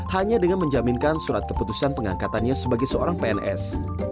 hanya dengan menjaminkan surat keputusan pengangkatannya sebagai seorang pns